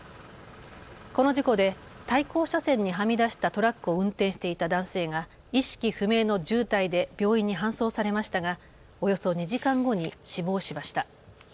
この事故で対向車線にはみ出したトラックを運転していた男性が意識不明の重体で病院に搬送されましたがおよそ２時間後に死亡しました。